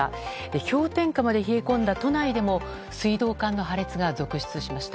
氷点下まで冷え込んだ都内でも水道管の破裂が続出しました。